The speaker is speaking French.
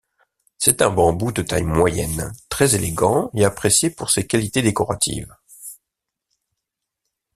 C'est un bambou de taille moyenne, très élégant et apprécié pour ses qualités décoratives.